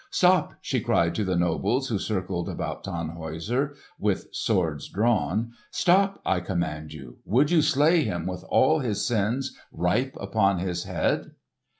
"Stop!" she cried to the nobles who circled about Tannhäuser, with swords drawn, "Stop, I command you! Would you slay him with all his sins ripe upon his head?"